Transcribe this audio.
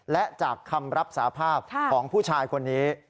และจากคำรับสาภาพของผู้ชายคนนี้